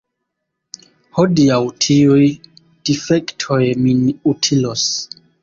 Hodiaŭ tiuj difektoj min utilos.